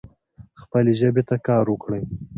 خپلي ژبي ته کار وکړئ.